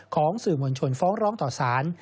ของสื่อมวลชนฟ้องร้องต่อสาร